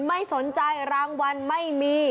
ไม่สนใจรางวัลไม่มี